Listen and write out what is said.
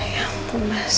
ya ampun mas